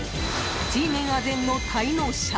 Ｇメンあぜんの滞納者。